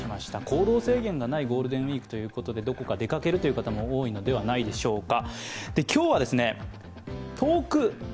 行動制限がないゴールデンウイークということで、どこか出かけるという方も多いのではないでしょうか。